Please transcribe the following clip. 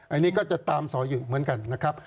อันนี้ก็จะตามสออยู่เหมือนกันนะครับ